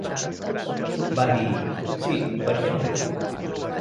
Va dir, "Sí, per què no?".